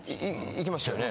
行きましたよね？